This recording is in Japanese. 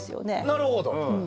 なるほど。